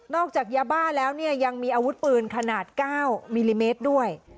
จากยาบ้าแล้วเนี่ยยังมีอาวุธปืนขนาด๙มิลลิเมตรด้วย